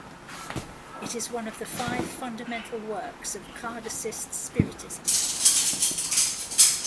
It is one of the five fundamental works of Kardecist Spiritism.